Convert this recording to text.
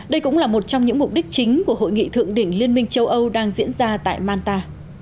đây cũng là một trong những mục đích chính của hội nghị thượng đỉnh liên minh châu âu đang diễn ra tại manta